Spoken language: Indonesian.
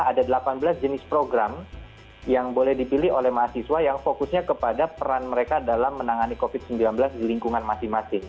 ada delapan belas jenis program yang boleh dipilih oleh mahasiswa yang fokusnya kepada peran mereka dalam menangani covid sembilan belas di lingkungan masing masing